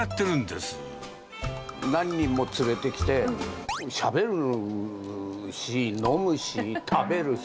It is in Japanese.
何人も連れてきて、しゃべるし、飲むし、食べるし。